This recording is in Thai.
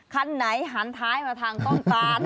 คันไหนหันท้ายมาทางต้นตาน